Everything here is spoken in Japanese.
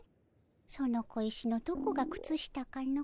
その小石のどこが靴下かの？